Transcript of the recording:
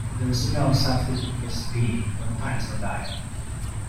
There's no substitute for speed when times are dire.